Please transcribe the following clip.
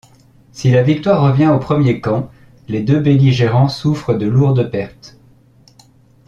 Si la victoire revient au premier camp, les deux belligérants souffrent de lourdes pertes.